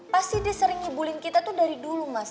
pasti dia sering ngibulin kita tuh dari dulu mas